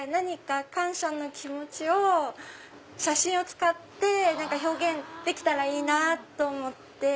感謝の気持ちを写真を使って表現できたらいいなと思って。